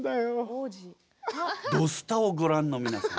「土スタ」をご覧の皆さん